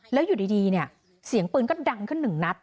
แล้วอยู่ดีเนี่ยเสียงปืนก็ดังขึ้นหนึ่งนัด